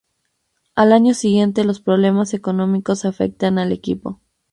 Al año siguiente los problemas económicos afectan al equipo.